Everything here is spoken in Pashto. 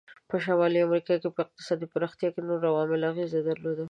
په شمالي امریکا په اقتصاد پراختیا کې نورو عواملو اغیزه درلوده.